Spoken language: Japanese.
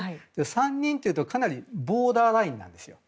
３人というとかなりボーダーラインなんですよ